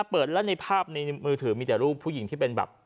เปิดแล้วในภาพในมือถือมีแต่รูปผู้หญิงที่เป็นแบบ